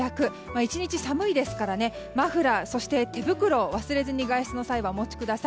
１日寒いですからマフラーそして手袋を外出の際は忘れずにお持ちください。